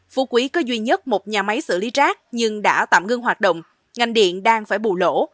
phú quý có duy nhất một nhà máy xử lý rác nhưng đã tạm ngưng hoạt động ngành điện đang phải bù lỗ